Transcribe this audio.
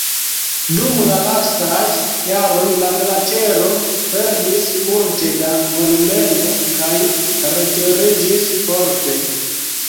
Dum la lastaj jaroj la glaĉero perdis multe da volumeno kaj retiriĝis forte.